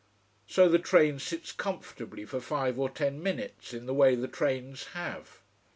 So the train sits comfortably for five or ten minutes, in the way the trains have.